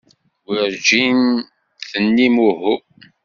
Werǧin d-tennim uhu.